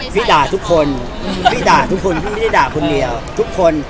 พี่ด่าทุกคนพี่ด่าทุกคนพี่ไม่ได้ด่าคนเดียวทุกคน